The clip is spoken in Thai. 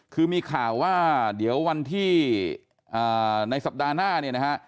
คือมีข่าวว่าเดี๋ยววันที่ในสัปดาห์หน้าเนี่ยนะฮะ